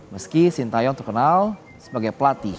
meski sintayong terkenal sebagai pelatih